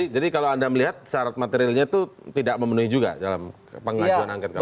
jadi kalau anda melihat syarat materialnya itu tidak memenuhi juga dalam pengajuan angket kali itu